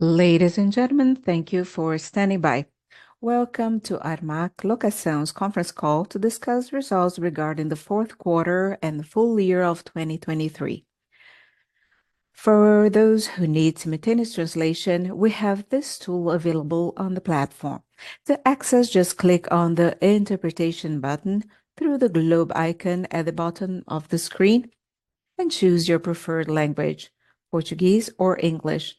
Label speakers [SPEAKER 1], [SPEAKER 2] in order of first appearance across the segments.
[SPEAKER 1] Ladies and gentlemen, thank you for standing by. Welcome to Armac Locação's conference call to discuss results regarding the fourth quarter and the full year of 2023. For those who need simultaneous translation, we have this tool available on the platform. To access, just click on the "Interpretation" button through the globe icon at the bottom of the screen and choose your preferred language: Portuguese or English.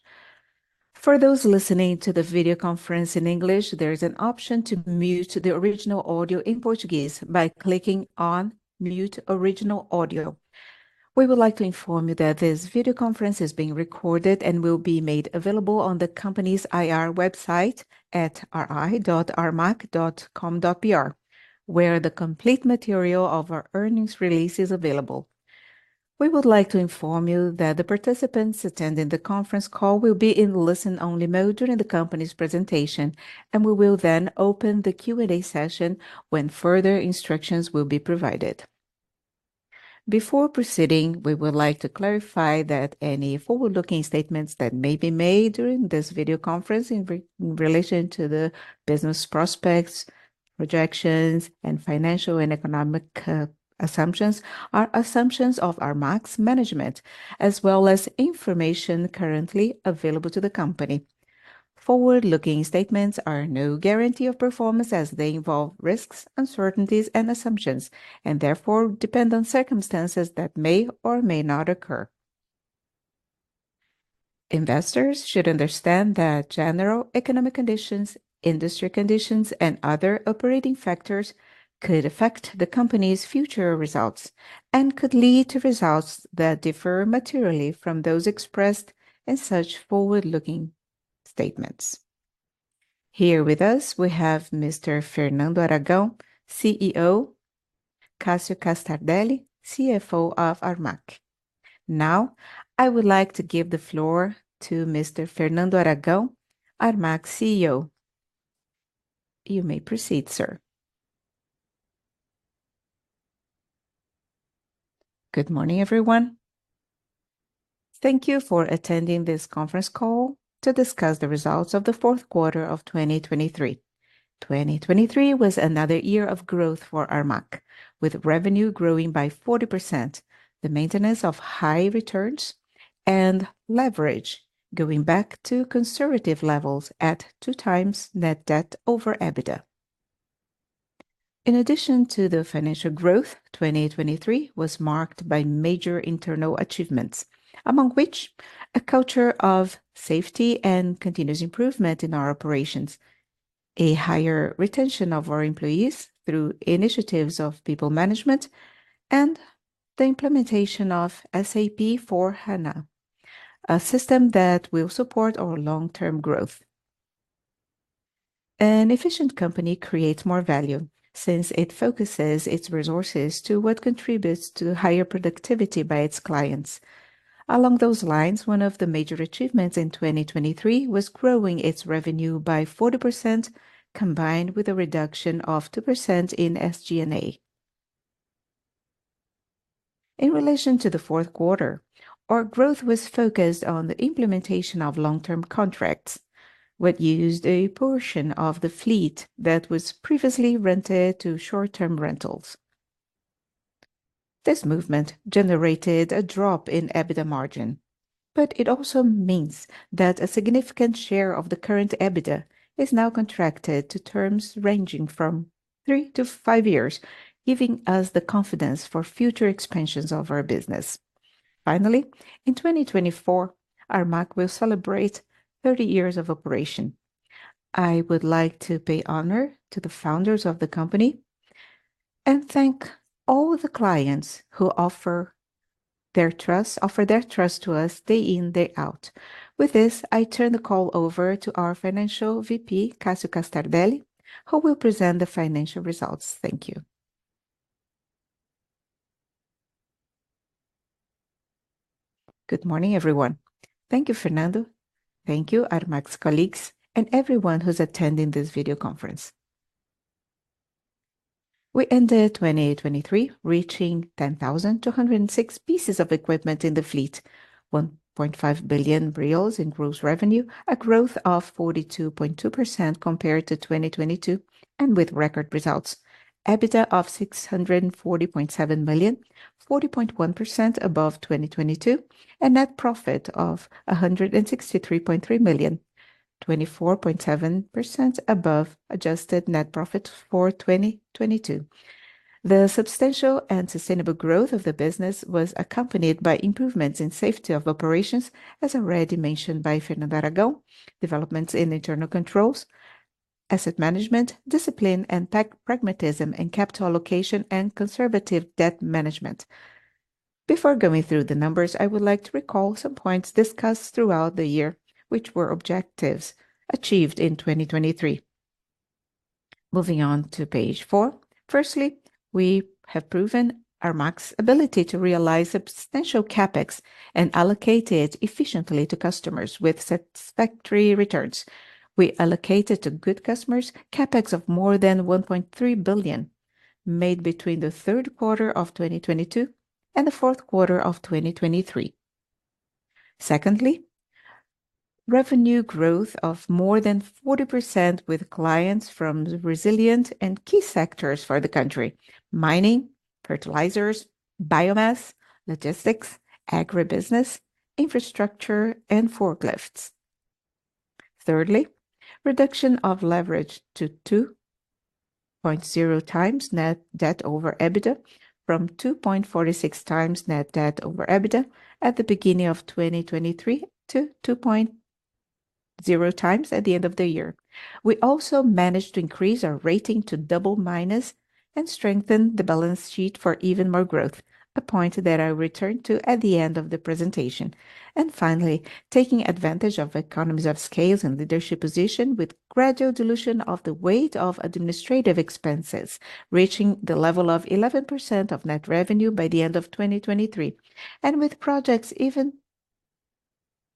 [SPEAKER 1] For those listening to the video conference in English, there is an option to mute the original audio in Portuguese by clicking on "Mute Original Audio." We would like to inform you that this video conference is being recorded and will be made available on the company's IR website at ri.armac.com.br, where the complete material of our earnings release is available. We would like to inform you that the participants attending the conference call will be in listen-only mode during the company's presentation, and we will then open the Q&A session when further instructions will be provided. Before proceeding, we would like to clarify that any forward-looking statements that may be made during this video conference in relation to the business prospects, projections, and financial and economic assumptions are assumptions of Armac's management, as well as information currently available to the company. Forward-looking statements are no guarantee of performance as they involve risks, uncertainties, and assumptions, and therefore depend on circumstances that may or may not occur. Investors should understand that general economic conditions, industry conditions, and other operating factors could affect the company's future results and could lead to results that differ materially from those expressed in such forward-looking statements. Here with us, we have Mr. Fernando Aragão, CEO. Cássio Castardelli, CFO of Armac. Now, I would like to give the floor to Mr. Fernando Aragão, Armac CEO. You may proceed, sir.
[SPEAKER 2] Good morning, everyone. Thank you for attending this conference call to discuss the results of the fourth quarter of 2023. 2023 was another year of growth for Armac, with revenue growing by 40%, the maintenance of high returns, and leverage going back to conservative levels at two times net debt over EBITDA. In addition to the financial growth, 2023 was marked by major internal achievements, among which a culture of safety and continuous improvement in our operations, a higher retention of our employees through initiatives of people management, and the implementation of SAP S/4HANA, a system that will support our long-term growth. An efficient company creates more value since it focuses its resources to what contributes to higher productivity by its clients. Along those lines, one of the major achievements in 2023 was growing its revenue by 40%, combined with a reduction of 2% in SG&A. In relation to the fourth quarter, our growth was focused on the implementation of long-term contracts, which used a portion of the fleet that was previously rented to short-term rentals. This movement generated a drop in EBITDA margin, but it also means that a significant share of the current EBITDA is now contracted to terms ranging from 3-5 years, giving us the confidence for future expansions of our business. Finally, in 2024, Armac will celebrate 30 years of operation. I would like to pay honor to the founders of the company and thank all the clients who offer their trust to us day in, day out. With this, I turn the call over to our financial VP, Cássio Castardelli, who will present the financial results. Thank you.
[SPEAKER 3] Good morning, everyone. Thank you, Fernando. Thank you, Armac's colleagues, and everyone who's attending this video conference. We ended 2023 reaching 10,206 pieces of equipment in the fleet, 1.5 billion reais in gross revenue, a growth of 42.2% compared to 2022, and with record results: EBITDA of 640.7 million, 40.1% above 2022, and net profit of 163.3 million, 24.7% above adjusted net profit for 2022. The substantial and sustainable growth of the business was accompanied by improvements in safety of operations, as already mentioned by Fernando Aragão, developments in internal controls, asset management, discipline and pragmatism in capital allocation, and conservative debt management. Before going through the numbers, I would like to recall some points discussed throughout the year, which were objectives achieved in 2023. Moving on to page four. Firstly, we have proven Armac's ability to realize substantial CapEx and allocate it efficiently to customers with satisfactory returns. We allocated to good customers CapEx of more than 1.3 billion made between the third quarter of 2022 and the fourth quarter of 2023. Secondly, revenue growth of more than 40% with clients from resilient and key sectors for the country: mining, fertilizers, biomass, logistics, agribusiness, infrastructure, and forklifts. Thirdly, reduction of leverage to 2.0x Net Debt/EBITDA from 2.46x Net Debt/EBITDA at the beginning of 2023 to 2.0x at the end of the year. We also managed to increase our rating to Double A minus and strengthen the balance sheet for even more growth, a point that I return to at the end of the presentation. And finally, taking advantage of economies of scale and leadership position with gradual dilution of the weight of administrative expenses, reaching the level of 11% of net revenue by the end of 2023, and with projects even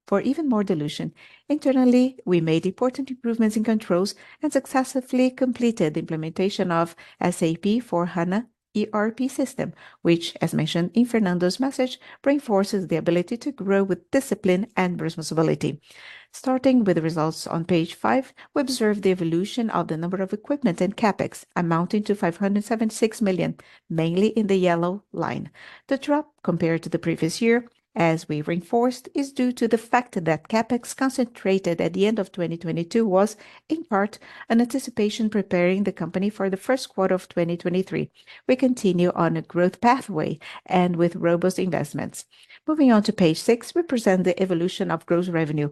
[SPEAKER 3] for even more dilution. Internally, we made important improvements in controls and successfully completed the implementation of SAP for HANA ERP system, which, as mentioned in Fernando's message, reinforces the ability to grow with discipline and responsibility. Starting with the results on page five, we observed the evolution of the number of equipment and Capex amounting to 576 million, mainly in the yellow line. The drop compared to the previous year, as we reinforced, is due to the fact that Capex concentrated at the end of 2022 was, in part, an anticipation preparing the company for the first quarter of 2023. We continue on a growth pathway and with robust investments. Moving on to page six, we present the evolution of gross revenue,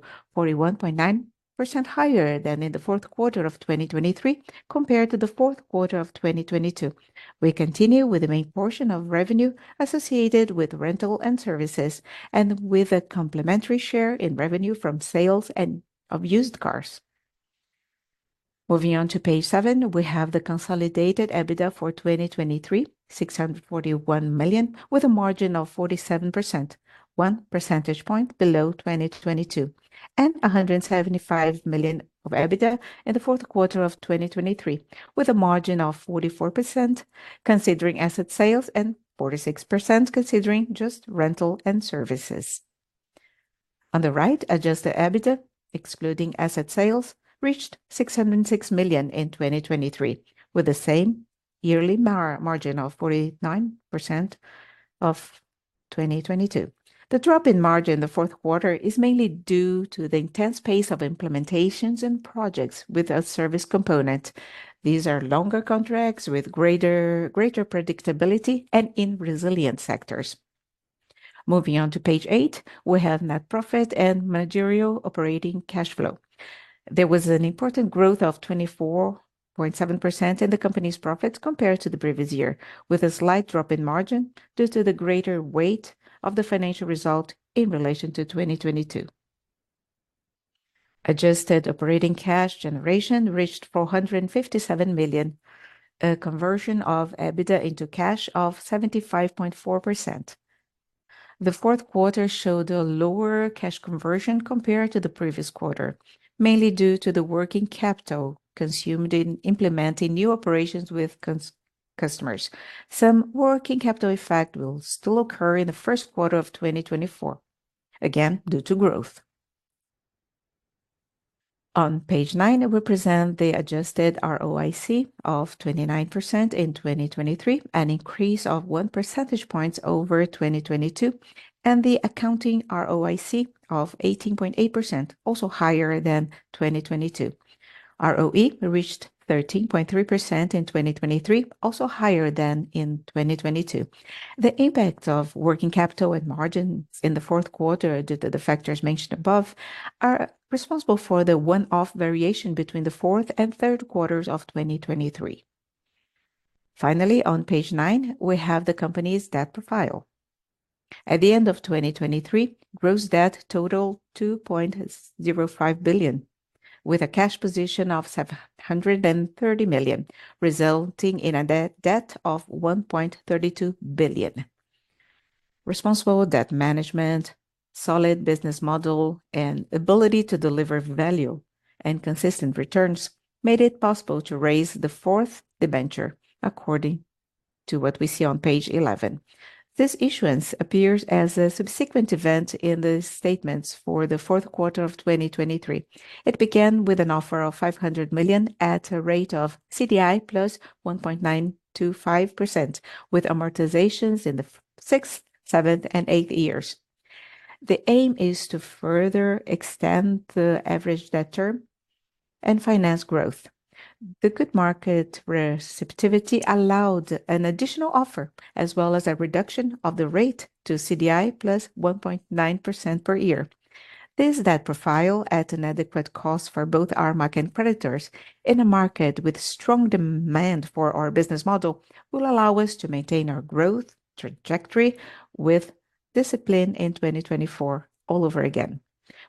[SPEAKER 3] 41.9% higher than in the fourth quarter of 2023 compared to the fourth quarter of 2022. We continue with the main portion of revenue associated with rental and services and with a complementary share in revenue from sales of used cars. Moving on to page seven, we have the consolidated EBITDA for 2023, 641 million, with a margin of 47%, one percentage point below 2022, and 175 million of EBITDA in the fourth quarter of 2023, with a margin of 44% considering asset sales and 46% considering just rental and services. On the right, adjusted EBITDA, excluding asset sales, reached 606 million in 2023, with the same yearly margin of 49% of 2022. The drop in margin in the fourth quarter is mainly due to the intense pace of implementations and projects with a service component. These are longer contracts with greater predictability and in resilient sectors. Moving on to page eight, we have net profit and managerial operating cash flow. There was an important growth of 24.7% in the company's profits compared to the previous year, with a slight drop in margin due to the greater weight of the financial result in relation to 2022. Adjusted operating cash generation reached 457 million, a conversion of EBITDA into cash of 75.4%. The fourth quarter showed a lower cash conversion compared to the previous quarter, mainly due to the working capital consumed in implementing new operations with customers. Some working capital effect will still occur in the first quarter of 2024, again due to growth. On page nine, we present the adjusted ROIC of 29% in 2023, an increase of one percentage point over 2022, and the accounting ROIC of 18.8%, also higher than 2022. ROE reached 13.3% in 2023, also higher than in 2022. The impact of working capital and margins in the fourth quarter, due to the factors mentioned above, are responsible for the one-off variation between the fourth and third quarters of 2023. Finally, on page nine, we have the company's debt profile. At the end of 2023, gross debt totaled 2.05 billion, with a cash position of 730 million, resulting in a debt of 1.32 billion. Responsible debt management, solid business model, and ability to deliver value and consistent returns made it possible to raise the fourth debenture according to what we see on page 11. This issuance appears as a subsequent event in the statements for the fourth quarter of 2023. It began with an offer of 500 million at a rate of CDI plus 1.925%, with amortizations in the sixth, seventh, and eighth years. The aim is to further extend the average debt term and finance growth. The good market receptivity allowed an additional offer, as well as a reduction of the rate to CDI plus 1.9% per year. This debt profile, at an adequate cost for both Armac and creditors, in a market with strong demand for our business model, will allow us to maintain our growth trajectory with discipline in 2024 all over again.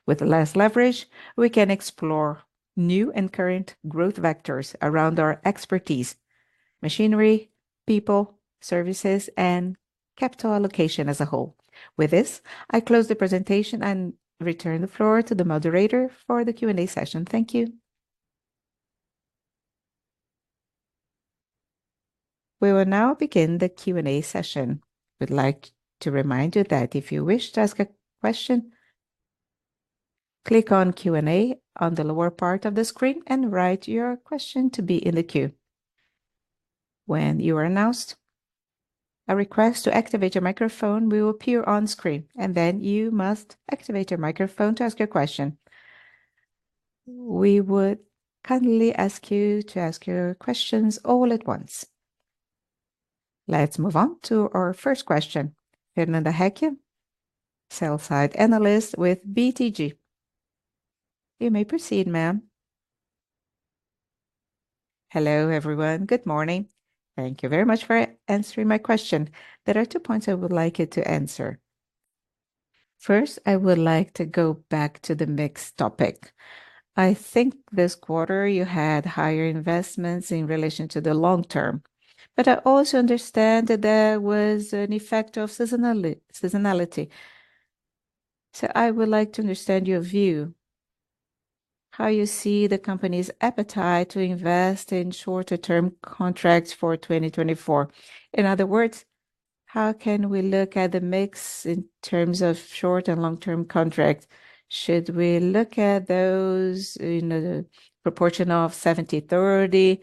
[SPEAKER 3] With less leverage, we can explore new and current growth vectors around our expertise: machinery, people, services, and capital allocation as a whole. With this, I close the presentation and return the floor to the moderator for the Q&A session. Thank you.
[SPEAKER 1] We will now begin the Q&A session. I would like to remind you that if you wish to ask a question, click on Q&A on the lower part of the screen and write your question to be in the queue. When you are announced, a request to activate your microphone will appear on screen, and then you must activate your microphone to ask your question. We would kindly ask you to ask your questions all at once. Let's move on to our first question. Fernanda Recchia, sell-side analyst with BTG. You may proceed, ma'am.
[SPEAKER 4] Hello, everyone. Good morning. Thank you very much for answering my question. There are two points I would like you to answer. First, I would like to go back to the mixed topic. I think this quarter you had higher investments in relation to the long term, but I also understand that there was an effect of seasonality. So I would like to understand your view: how do you see the company's appetite to invest in shorter-term contracts for 2024? In other words, how can we look at the mix in terms of short and long-term contracts? Should we look at those in a proportion of 70/30,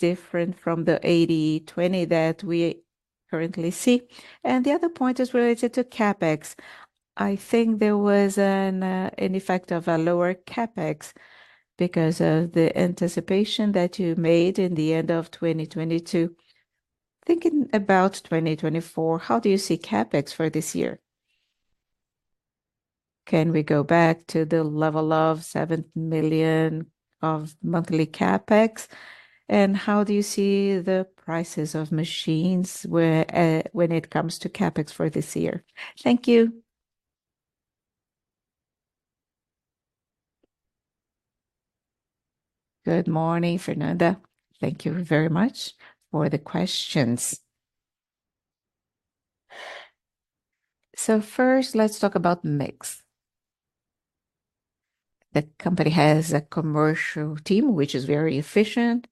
[SPEAKER 4] different from the 80/20 that we currently see? And the other point is related to CapEx. I think there was an effect of a lower CapEx because of the anticipation that you made in the end of 2022. Thinking about 2024, how do you see CapEx for this year? Can we go back to the level of seven million of monthly CapEx? And how do you see the prices of machines when it comes to CapEx for this year? Thank you.
[SPEAKER 2] Good morning, Fernando. Thank you very much for the questions. So first, let's talk about the mix. The company has a commercial team, which is very efficient,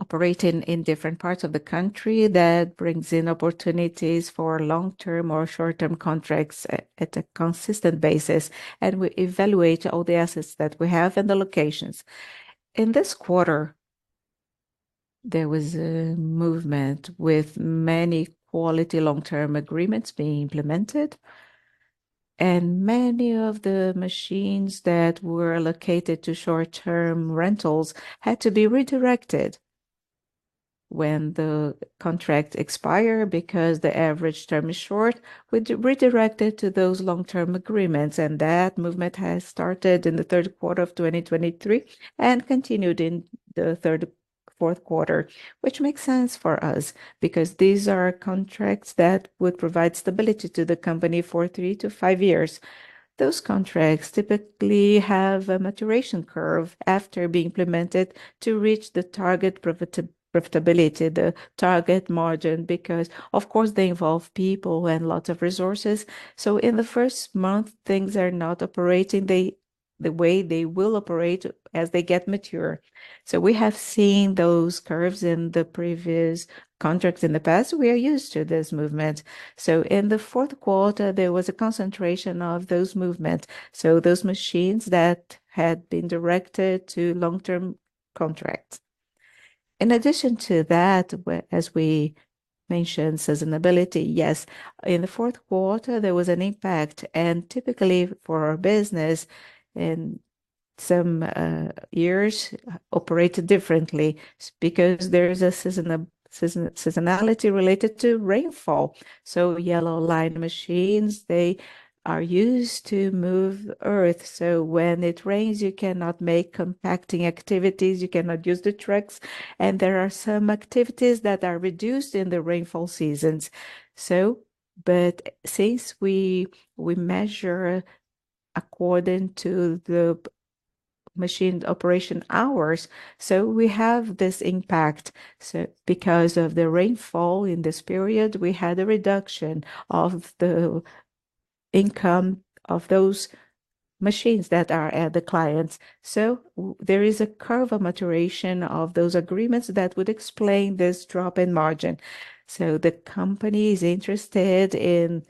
[SPEAKER 2] operating in different parts of the country. That brings in opportunities for long-term or short-term contracts at a consistent basis, and we evaluate all the assets that we have and the locations. In this quarter, there was a movement with many quality long-term agreements being implemented, and many of the machines that were allocated to short-term rentals had to be redirected when the contract expired because the average term is short. We redirected to those long-term agreements, and that movement has started in the third quarter of 2023 and continued in the third, fourth quarter, which makes sense for us because these are contracts that would provide stability to the company for 3-5 years. Those contracts typically have a maturation curve after being implemented to reach the target profitability, the target margin, because, of course, they involve people and lots of resources. So in the first month, things are not operating the way they will operate as they get mature. So we have seen those curves in the previous contracts in the past. We are used to this movement. So in the fourth quarter, there was a concentration of those movements, so those machines that had been directed to long-term contracts. In addition to that, as we mentioned, seasonality, yes, in the fourth quarter, there was an impact, and typically for our business in some years operated differently because there is a seasonality related to rainfall. So Yellow Line machines, they are used to move the earth, so when it rains, you cannot make compacting activities, you cannot use the trucks, and there are some activities that are reduced in the rainfall seasons. But since we measure according to the machine operation hours, we have this impact. Because of the rainfall in this period, we had a reduction of the income of those machines that are at the clients. There is a curve of maturation of those agreements that would explain this drop in margin. The company is interested in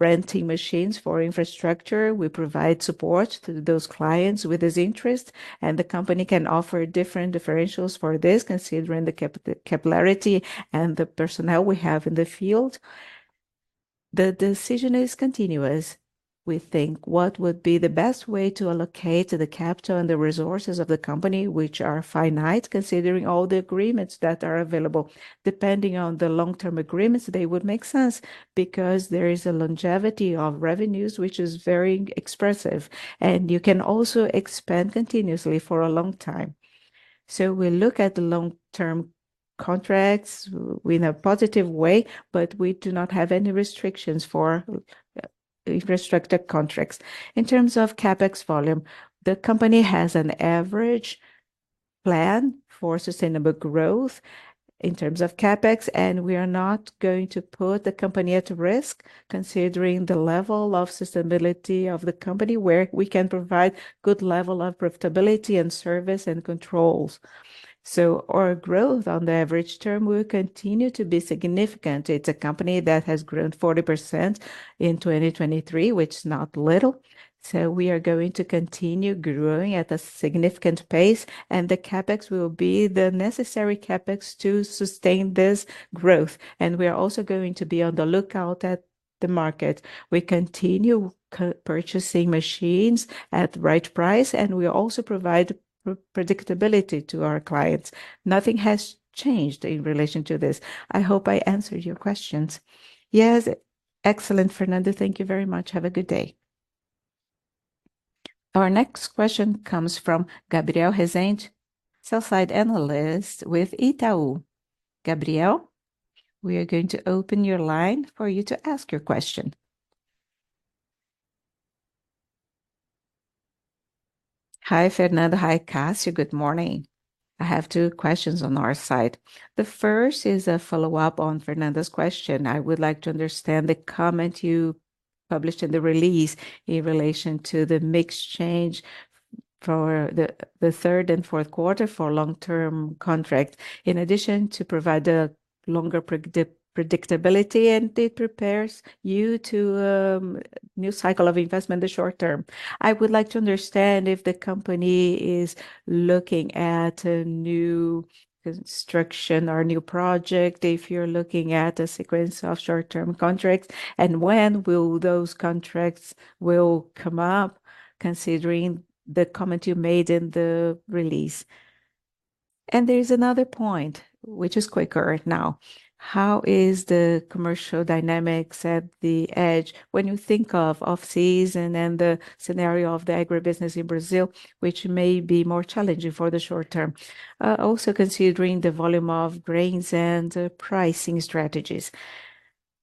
[SPEAKER 2] renting machines for infrastructure. We provide support to those clients with this interest, and the company can offer different differentials for this considering the capillarity and the personnel we have in the field. The decision is continuous. We think what would be the best way to allocate the capital and the resources of the company, which are finite, considering all the agreements that are available. Depending on the long-term agreements, they would make sense because there is a longevity of revenues, which is very expressive, and you can also expand continuously for a long time. So we look at the long-term contracts in a positive way, but we do not have any restrictions for infrastructure contracts. In terms of CapEx volume, the company has an average plan for sustainable growth in terms of CapEx, and we are not going to put the company at risk considering the level of sustainability of the company where we can provide a good level of profitability and service and controls. So our growth on the average term will continue to be significant. It's a company that has grown 40% in 2023, which is not little. We are going to continue growing at a significant pace, and the CapEx will be the necessary CapEx to sustain this growth. We are also going to be on the lookout at the market. We continue purchasing machines at the right price, and we also provide predictability to our clients. Nothing has changed in relation to this. I hope I answered your questions. Yes, excellent, Fernando. Thank you very much. Have a good day.
[SPEAKER 1] Our next question comes from Gabriel Rezende, sell-side analyst with Itaú. Gabriel, we are going to open your line for you to ask your question. Hi, Fernando. Hi, Cássio. Good morning. I have two questions on our side. The first is a follow-up on Fernando's question. I would like to understand the comment you published in the release in relation to the mixed change for the third and fourth quarter for long-term contracts, in addition to providing the longer predictability, and it prepares you for a new cycle of investment in the short term. I would like to understand if the company is looking at a new construction or a new project, if you're looking at a sequence of short-term contracts, and when will those contracts come up considering the comment you made in the release? There is another point, which is quicker now. How is the commercial dynamics at the edge when you think of off-season and the scenario of the agribusiness in Brazil, which may be more challenging for the short term, also considering the volume of grains and pricing strategies?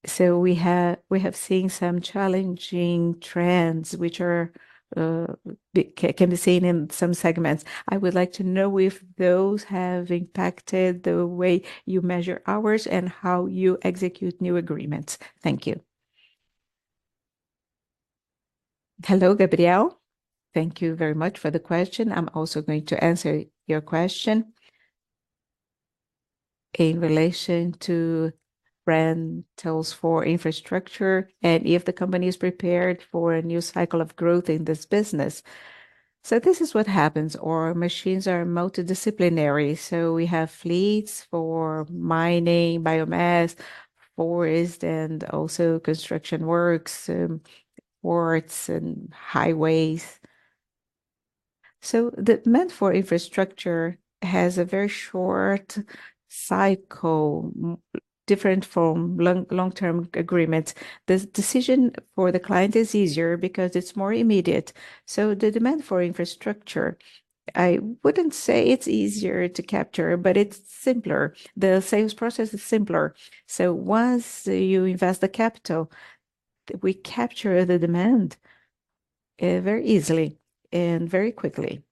[SPEAKER 1] So we have seen some challenging trends which can be seen in some segments. I would like to know if those have impacted the way you measure hours and how you execute new agreements. Thank you.
[SPEAKER 2] Hello, Gabriel. Thank you very much for the question. I'm also going to answer your question in relation to rentals for infrastructure and if the company is prepared for a new cycle of growth in this business. So this is what happens: our machines are multidisciplinary, so we have fleets for mining, biomass, forest, and also construction works, ports, and highways. So the demand for infrastructure has a very short cycle, different from long-term agreements. The decision for the client is easier because it's more immediate. So the demand for infrastructure, I wouldn't say it's easier to capture, but it's simpler. The sales process is simpler. So once you invest the capital, we capture the demand very easily and very quickly.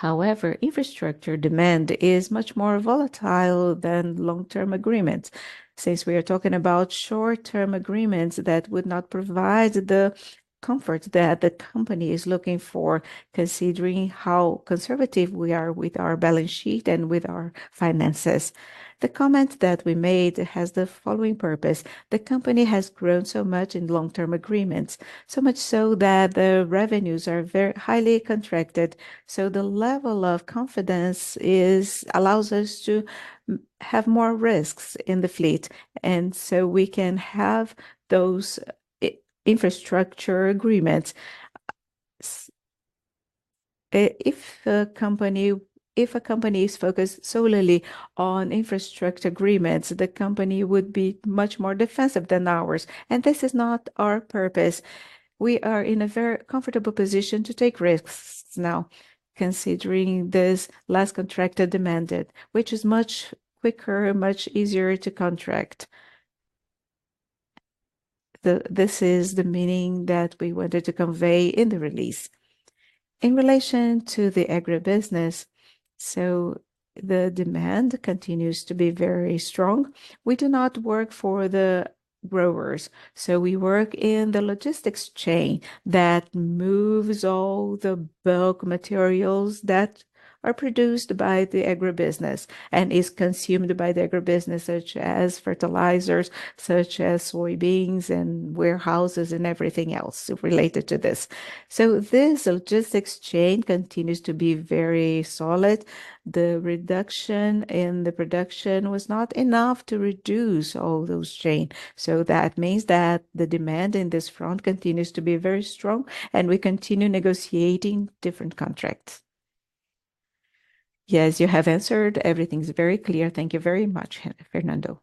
[SPEAKER 2] However, infrastructure demand is much more volatile than long-term agreements since we are talking about short-term agreements that would not provide the comfort that the company is looking for considering how conservative we are with our balance sheet and with our finances. The comment that we made has the following purpose: the company has grown so much in long-term agreements, so much so that the revenues are very highly contracted, so the level of confidence allows us to have more risks in the fleet, and so we can have those infrastructure agreements. If a company is focused solely on infrastructure agreements, the company would be much more defensive than ours, and this is not our purpose. We are in a very comfortable position to take risks now considering this less contracted demand, which is much quicker and much easier to contract. This is the meaning that we wanted to convey in the release. In relation to the agribusiness, so the demand continues to be very strong. We do not work for the growers, so we work in the logistics chain that moves all the bulk materials that are produced by the agribusiness and are consumed by the agribusiness, such as fertilizers, such as soybeans, and warehouses and everything else related to this. So this logistics chain continues to be very solid. The reduction in the production was not enough to reduce all those chains, so that means that the demand in this front continues to be very strong, and we continue negotiating different contracts. Yes, you have answered. Everything's very clear. Thank you very much, Fernando.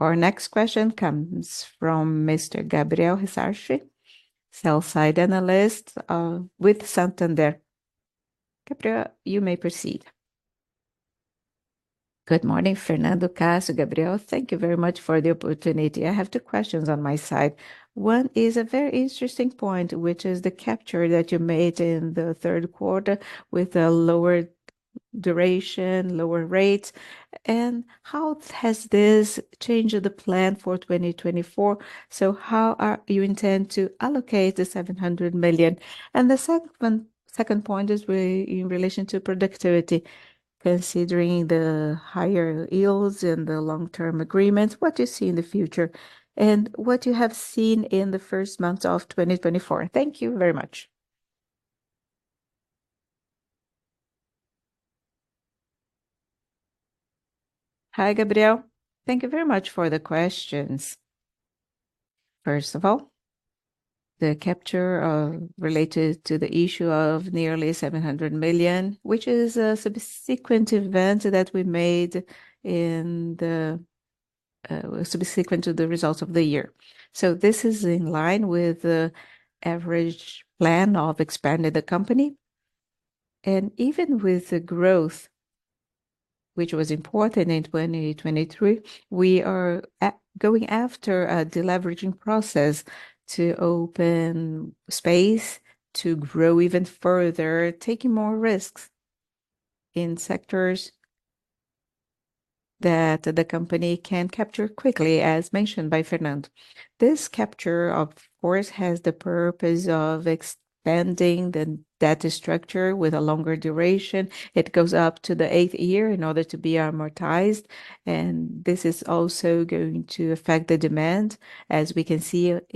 [SPEAKER 1] Our next question comes from Mr. Gabriel Simões, sell-side analyst with Santander. Gabriel, you may proceed.
[SPEAKER 5] Good morning, Fernando, Cássio. Thank you very much for the opportunity. I have two questions on my side. One is a very interesting point, which is the capture that you made in the third quarter with a lower duration, lower rates, and how has this changed the plan for 2024? So how are you intending to allocate the 700 million? And the second point is in relation to productivity, considering the higher yields in the long-term agreements, what do you see in the future, and what do you have seen in the first month of 2024? Thank you very much.
[SPEAKER 3] Hi, Gabriel. Thank you very much for the questions. First of all, the capture related to the issue of nearly 700 million, which is a subsequent event that we made subsequent to the results of the year. So this is in line with the average plan of expanding the company, and even with the growth, which was important in 2023, we are going after a deleveraging process to open space to grow even further, taking more risks in sectors that the company can capture quickly, as mentioned by Fernando. This capture, of course, has the purpose of expanding the debt structure with a longer duration. It goes up to the eighth year in order to be amortized, and this is also going to affect the demand, as we can see on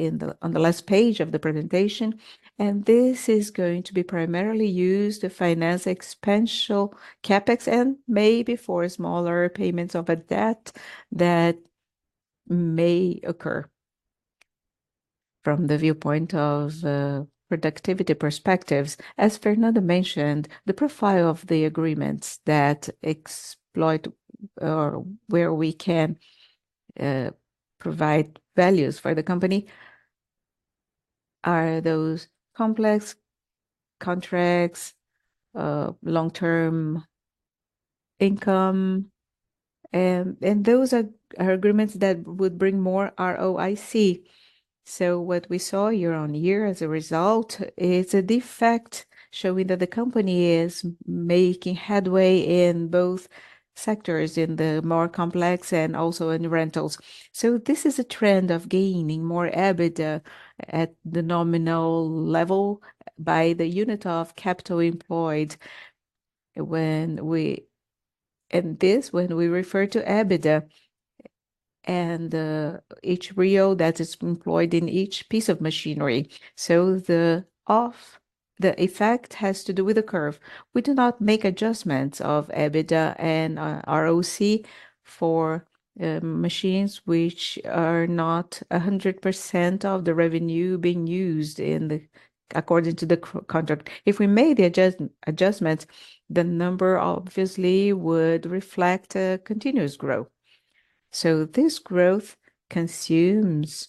[SPEAKER 3] the last page of the presentation. This is going to be primarily used to finance expensive Capex and maybe for smaller payments of debt that may occur from the viewpoint of productivity perspectives. As Fernando mentioned, the profile of the agreements that exploit or where we can provide values for the company are those complex contracts, long-term income, and those are agreements that would bring more ROIC. So what we saw year-on-year as a result is an effect showing that the company is making headway in both sectors, in the more complex and also in rentals. So this is a trend of gaining more EBITDA at the nominal level by the unit of capital employed when we refer to EBITDA and each ROIC that is employed in each piece of machinery. So the effect has to do with the curve. We do not make adjustments of EBITDA and ROIC for machines which are not 100% of the revenue being used according to the contract. If we made the adjustments, the number obviously would reflect a continuous growth. This growth consumes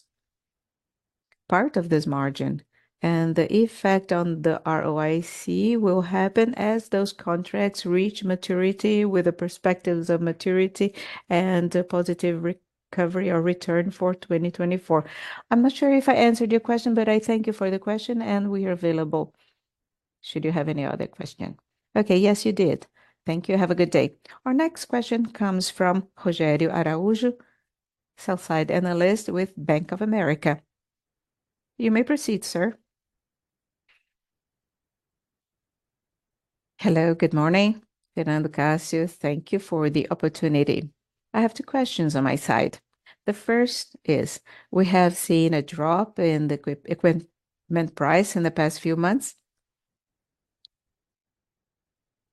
[SPEAKER 3] part of this margin, and the effect on the ROIC will happen as those contracts reach maturity with the perspectives of maturity and a positive recovery or return for 2024. I'm not sure if I answered your question, but I thank you for the question, and we are available. Should you have any other questions?
[SPEAKER 5] Okay, yes, you did. Thank you. Have a good day.
[SPEAKER 1] Our next question comes from Rogério Araújo, sell-side analyst with Bank of America. You may proceed, sir.
[SPEAKER 6] Hello, good morning, Fernando, Cássio. Thank you for the opportunity. I have two questions on my side. The first is, we have seen a drop in the equipment price in the past few months.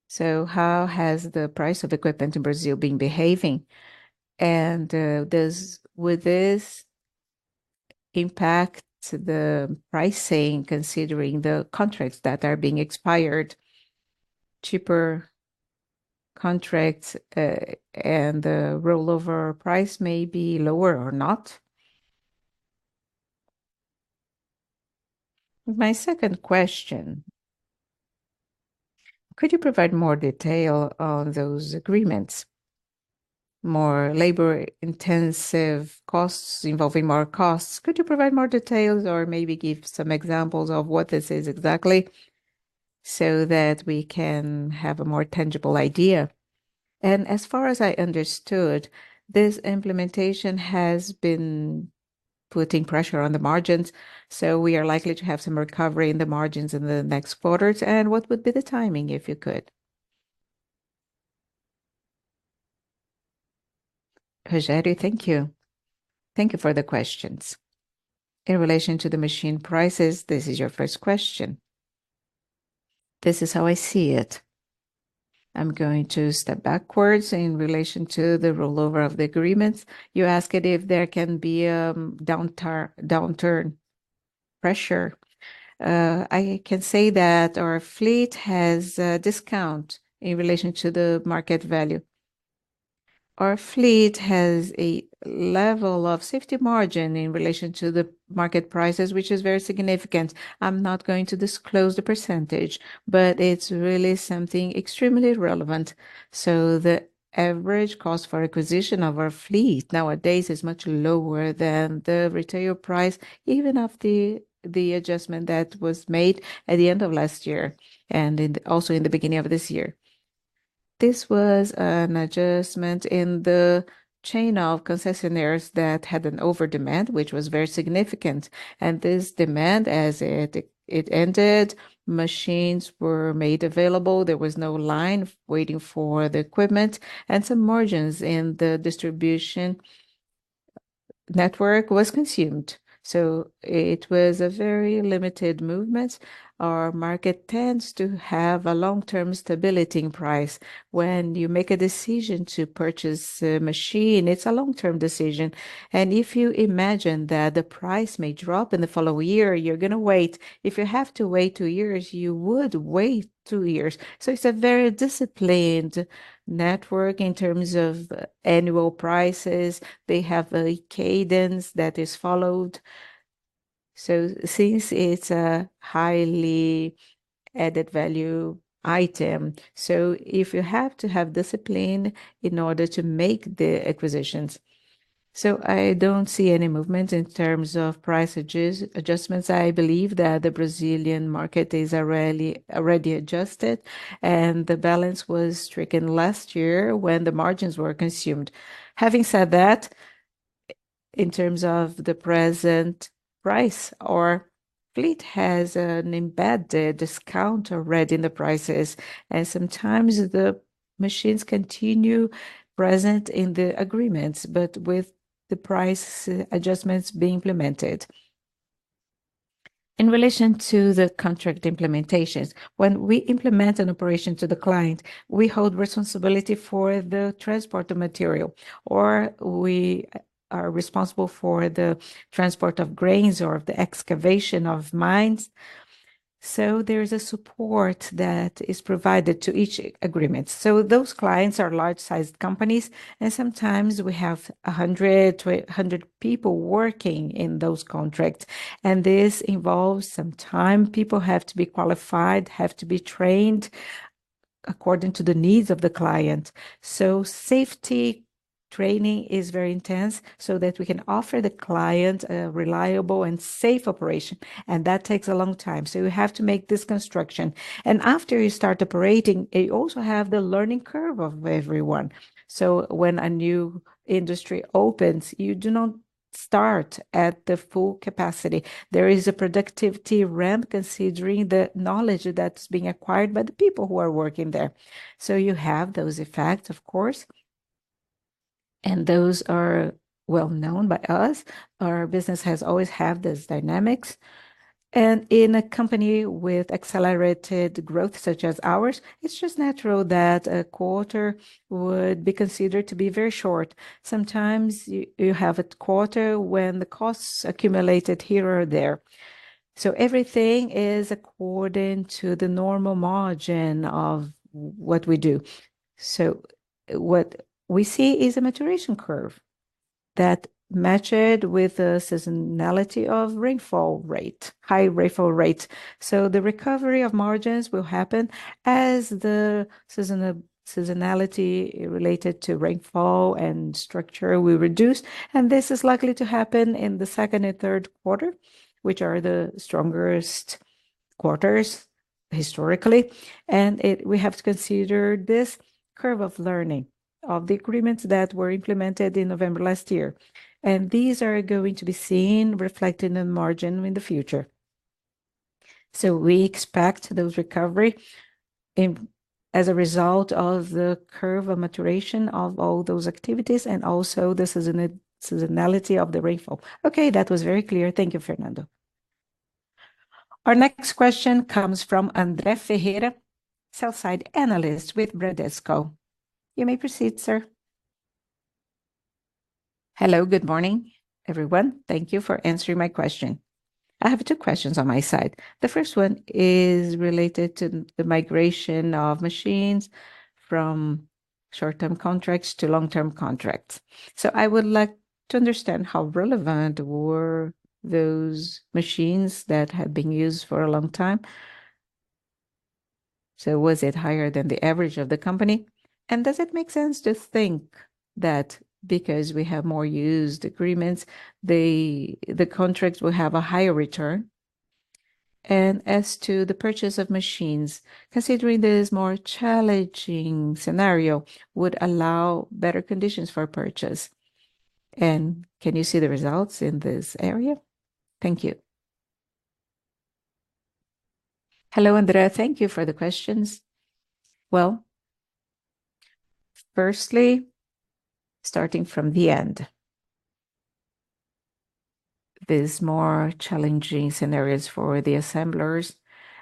[SPEAKER 6] So how has the price of equipment in Brazil been behaving? And does this impact the pricing considering the contracts that are being expired? Cheaper contracts and the rollover price may be lower or not. My second question, could you provide more detail on those agreements? More labor-intensive costs involving more costs. Could you provide more details or maybe give some examples of what this is exactly so that we can have a more tangible idea? And as far as I understood, this implementation has been putting pressure on the margins, so we are likely to have some recovery in the margins in the next quarters. And what would be the timing if you could?
[SPEAKER 2] Rogério, thank you. Thank you for the questions. In relation to the machine prices, this is your first question. This is how I see it. I'm going to step backwards in relation to the rollover of the agreements. You asked if there can be a downturn pressure. I can say that our fleet has a discount in relation to the market value. Our fleet has a level of safety margin in relation to the market prices, which is very significant. I'm not going to disclose the percentage, but it's really something extremely relevant. So the average cost for acquisition of our fleet nowadays is much lower than the retail price, even after the adjustment that was made at the end of last year and also in the beginning of this year. This was an adjustment in the chain of concessionaires that had an over-demand, which was very significant. And this demand, as it ended, machines were made available. There was no line waiting for the equipment, and some margins in the distribution network were consumed. So it was a very limited movement. Our market tends to have a long-term stability in price. When you make a decision to purchase a machine, it's a long-term decision. And if you imagine that the price may drop in the following year, you're going to wait. If you have to wait two years, you would wait two years. So it's a very disciplined network in terms of annual prices. They have a cadence that is followed. So since it's a highly added value item, so if you have to have discipline in order to make the acquisitions. So I don't see any movement in terms of price adjustments. I believe that the Brazilian market is already adjusted, and the balance was stricken last year when the margins were consumed. Having said that, in terms of the present price, our fleet has an embedded discount already in the prices, and sometimes the machines continue present in the agreements, but with the price adjustments being implemented. In relation to the contract implementations, when we implement an operation to the client, we hold responsibility for the transport of material, or we are responsible for the transport of grains or the excavation of mines. So there is a support that is provided to each agreement. So those clients are large-sized companies, and sometimes we have 100-100 people working in those contracts, and this involves some time. People have to be qualified, have to be trained according to the needs of the client. So safety training is very intense so that we can offer the client a reliable and safe operation, and that takes a long time. So you have to make this construction, and after you start operating, you also have the learning curve of everyone. So when a new industry opens, you do not start at the full capacity. There is a productivity ramp considering the knowledge that's being acquired by the people who are working there. So you have those effects, of course, and those are well known by us. Our business has always had these dynamics, and in a company with accelerated growth such as ours, it's just natural that a quarter would be considered to be very short. Sometimes you have a quarter when the costs accumulated here or there. So everything is according to the normal margin of what we do. So what we see is a maturation curve that matches with the seasonality of rainfall rate, high rainfall rate. So the recovery of margins will happen as the seasonality related to rainfall and structure will reduce, and this is likely to happen in the second and third quarter, which are the strongest quarters historically. We have to consider this curve of learning of the agreements that were implemented in November last year, and these are going to be seen reflected in the margin in the future. So we expect those recoveries as a result of the curve of maturation of all those activities and also the seasonality of the rainfall.
[SPEAKER 6] Okay, that was very clear. Thank you, Fernando.
[SPEAKER 1] Our next question comes from André Ferreira, sell-side analyst with Bradesco. You may proceed, sir.
[SPEAKER 7] Hello, good morning, everyone. Thank you for answering my question. I have two questions on my side. The first one is related to the migration of machines from short-term contracts to long-term contracts. So I would like to understand how relevant were those machines that had been used for a long time? So was it higher than the average of the company? And does it make sense to think that because we have more used agreements, the contracts will have a higher return? And as to the purchase of machines, considering this more challenging scenario would allow better conditions for purchase. And can you see the results in this area? Thank you.
[SPEAKER 2] Hello, André. Thank you for the questions. Well, firstly, starting from the end, these more challenging scenarios for the assemblers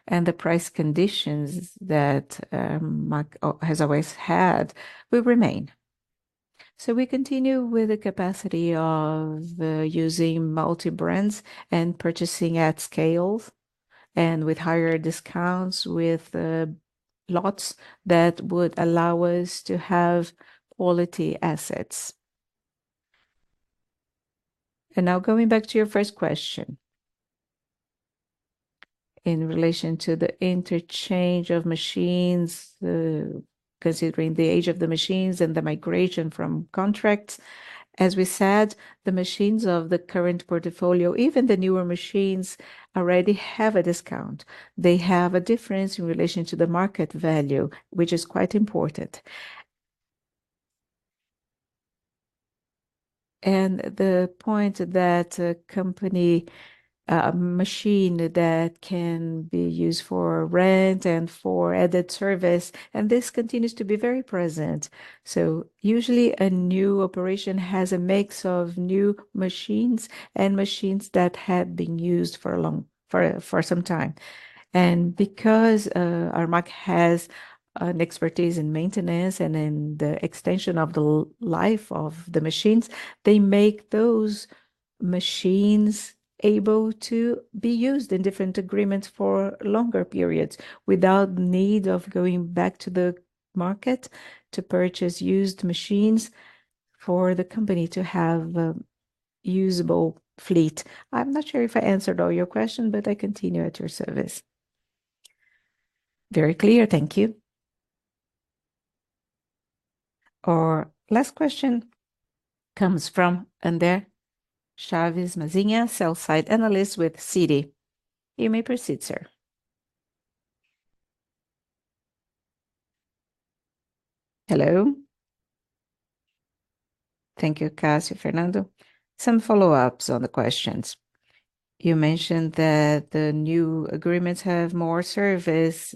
[SPEAKER 2] and the price conditions that Armac has always had will remain. So we continue with the capacity of using multi-brands and purchasing at scales and with higher discounts with lots that would allow us to have quality assets. Now going back to your first question in relation to the interchange of machines, considering the age of the machines and the migration from contracts. As we said, the machines of the current portfolio, even the newer machines, already have a discount. They have a difference in relation to the market value, which is quite important. The point that a company, a machine that can be used for rent and for added service, and this continues to be very present. Usually a new operation has a mix of new machines and machines that have been used for some time. Because Armac has an expertise in maintenance and in the extension of the life of the machines, they make those machines able to be used in different agreements for longer periods without the need of going back to the market to purchase used machines for the company to have a usable fleet. I'm not sure if I answered all your questions, but I continue at your service.
[SPEAKER 7] Very clear. Thank you.
[SPEAKER 1] Our last question comes from André Mazini, sell-side analyst with Citi. You may proceed, sir.
[SPEAKER 7] Hello. Thank you, Cássio, Fernando. Some follow-ups on the questions. You mentioned that the new agreements have more service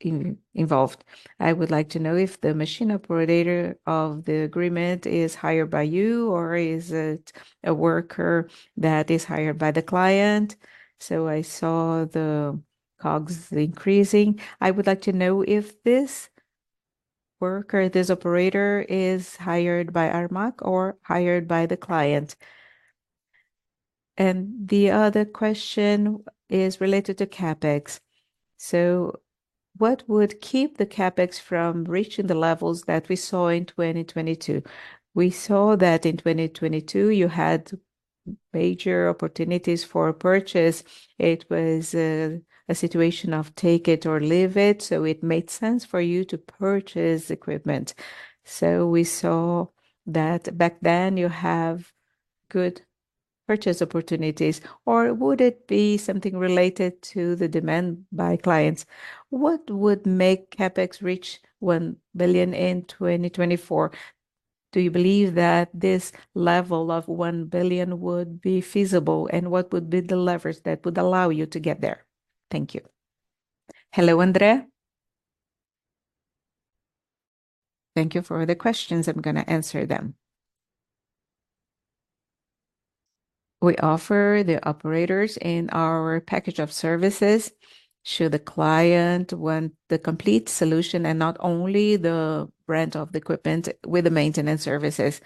[SPEAKER 7] involved. I would like to know if the machine operator of the agreement is hired by you or is it a worker that is hired by the client? So I saw the COGS increasing. I would like to know if this worker, this operator, is hired by Armac or hired by the client. And the other question is related to CapEx. So what would keep the CapEx from reaching the levels that we saw in 2022? We saw that in 2022 you had major opportunities for purchase. It was a situation of take it or leave it, so it made sense for you to purchase equipment. So we saw that back then you have good purchase opportunities, or would it be something related to the demand by clients? What would make CapEx reach $1 billion in 2024? Do you believe that this level of $1 billion would be feasible, and what would be the levers that would allow you to get there? Thank you.
[SPEAKER 2] Hello, André. Thank you for the questions. I'm going to answer them. We offer the operators in our package of services should the client want the complete solution and not only the rent of the equipment with the maintenance services.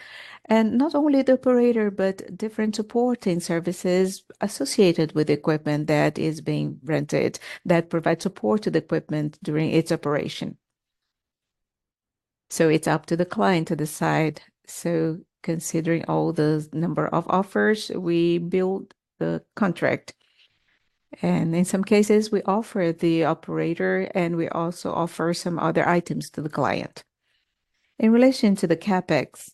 [SPEAKER 2] And not only the operator, but different supporting services associated with equipment that is being rented that provide support to the equipment during its operation. So it's up to the client to decide. So considering all the number of offers, we build the contract. And in some cases, we offer the operator, and we also offer some other items to the client. In relation to the CapEx,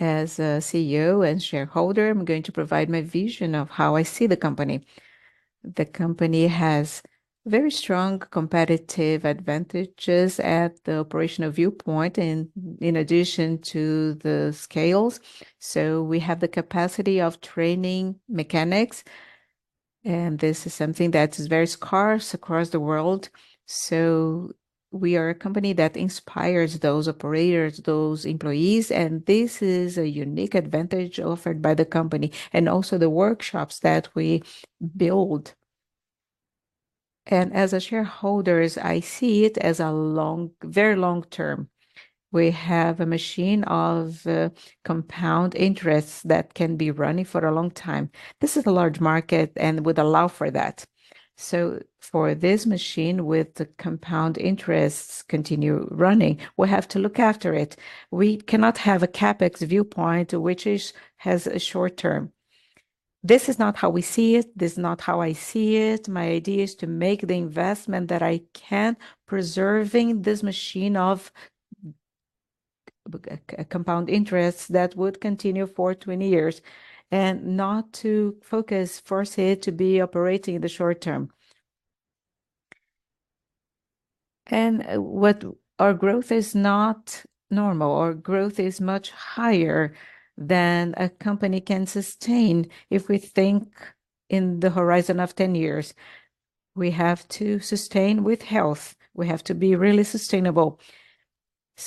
[SPEAKER 2] as a CEO and shareholder, I'm going to provide my vision of how I see the company. The company has very strong competitive advantages at the operational viewpoint in addition to the scales. So we have the capacity of training mechanics, and this is something that is very scarce across the world. We are a company that inspires those operators, those employees, and this is a unique advantage offered by the company and also the workshops that we build. As shareholders, I see it as a long, very long term. We have a machine of compound interests that can be running for a long time. This is a large market and would allow for that. For this machine with the compound interests to continue running, we have to look after it. We cannot have a CapEx viewpoint which has a short term. This is not how we see it. This is not how I see it. My idea is to make the investment that I can, preserving this machine of compound interests that would continue for 20 years and not to focus force it to be operating in the short term. Our growth is not normal. Our growth is much higher than a company can sustain if we think in the horizon of 10 years. We have to sustain with health. We have to be really sustainable.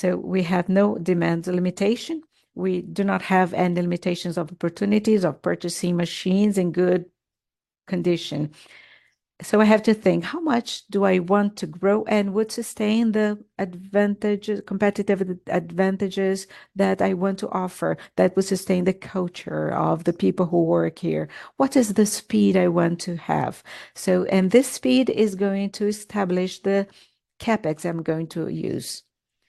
[SPEAKER 2] We have no demand limitation. We do not have any limitations of opportunities of purchasing machines in good condition. I have to think how much do I want to grow and would sustain the advantages, competitive advantages that I want to offer that would sustain the culture of the people who work here. What is the speed I want to have? So, and this speed is going to establish the CapEx I'm going to use.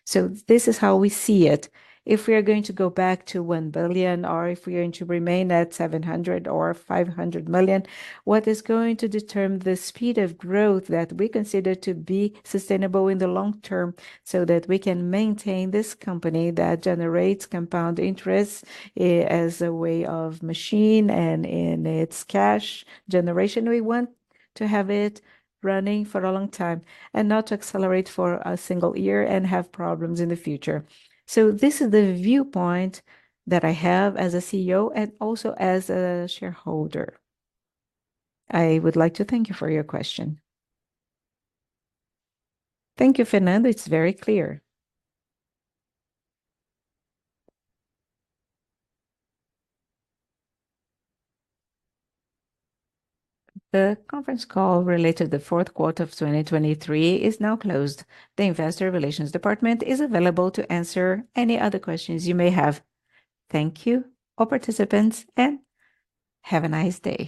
[SPEAKER 2] So this is how we see it. If we are going to go back to $1 billion or if we are going to remain at $700 million or $500 million, what is going to determine the speed of growth that we consider to be sustainable in the long term so that we can maintain this company that generates compound interests as a way of machine and in its cash generation? We want to have it running for a long time and not to accelerate for a single year and have problems in the future. So this is the viewpoint that I have as a CEO and also as a shareholder. I would like to thank you for your question.
[SPEAKER 7] Thank you, Fernando. It's very clear.
[SPEAKER 1] The conference call related to the fourth quarter of 2023 is now closed. The investor relations department is available to answer any other questions you may have. Thank you, all participants, and have a nice day.